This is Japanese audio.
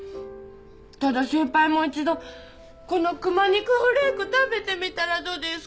ただ先輩も一度このくま肉フレーク食べてみたらどうですかと。